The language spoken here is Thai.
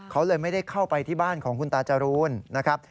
เขาเลยไม่ได้เข้าไปที่บ้านของคุณตาจรูนนะครับ